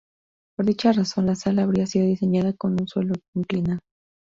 Por dicha razón, la sala habría sido diseñada con un suelo inclinado.